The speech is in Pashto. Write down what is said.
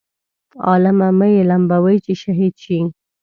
عالمه مه یې لمبوئ چې شهید شي.